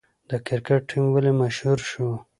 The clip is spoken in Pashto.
د کرکټ ټیم ولې مشهور شو؟